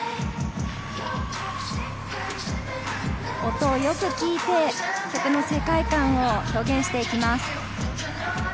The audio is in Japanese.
音をよく聞いて曲の世界観を表現していきます。